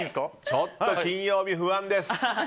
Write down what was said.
ちょっと金曜、不安です。